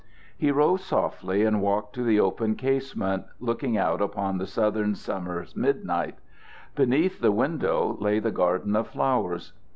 He arose softly and walked to the open casement, looking out upon the southern summer midnight. Beneath the window lay the garden of flowers.